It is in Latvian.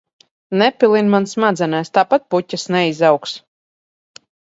Nepilini man smadzenēs, tāpat puķes neizaugs!